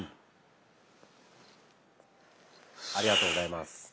ありがとうございます。